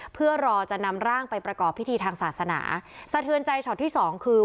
เพื่อรอจะนำร่างไปประกอบพิธีทางศาสนาสะเทือนใจช็อตที่สองคือ